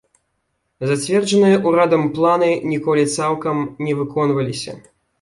Зацверджаныя ўрадам планы ніколі цалкам не выконваліся.